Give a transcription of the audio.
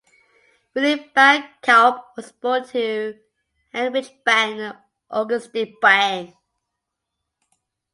Willy Bang Kaup was born to Heinrich Bang and Auguste Bang.